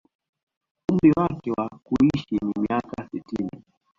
Umri wake wa kuishi ni miaka sitini